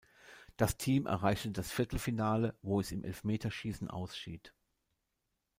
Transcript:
Das Team erreichte das Viertelfinale, wo es im Elfmeterschießen ausschied.